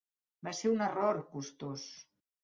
Va ser un error costós.